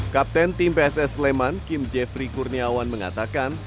kapten tim pss sleman kim jeffrey kurniawan mengatakan